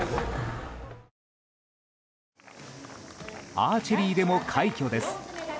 アーチェリーでも快挙です。